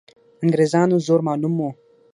د انګریزانو زور معلوم وو.